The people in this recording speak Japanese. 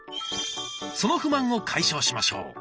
その不満を解消しましょう。